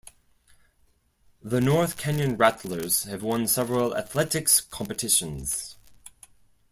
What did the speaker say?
The North Canyon Rattlers have won several athletics competitions.